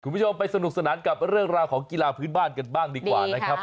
คุณผู้ชมไปสนุกสนานกับเรื่องราวของกีฬาพื้นบ้านกันบ้างดีกว่านะครับ